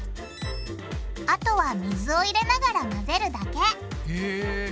あとは水を入れながら混ぜるだけへぇ。